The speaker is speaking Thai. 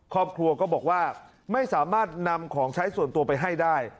ครอบครัวก็บอกว่าไม่สามารถนำของใช้ส่วนตัวไปให้ได้